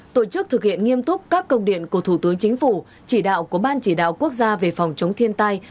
tổ chức thực hiện nghiêm túc các công điện của thủ tướng chính phủ chỉ đạo của ban chỉ đạo quốc gia về phòng chống thiên tai